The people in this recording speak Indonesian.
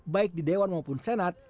baik di dewan maupun senat